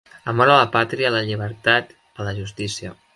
Amor a la pàtria, a la llibertat, a la justícia.